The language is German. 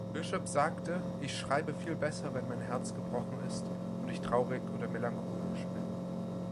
Bishop sagte: Ich schreibe viel besser, wenn mein Herz gebrochen ist und ich traurig oder melancholisch bin.